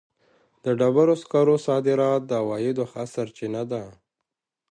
د ډبرو سکرو صادرات د عوایدو ښه سرچینه ده.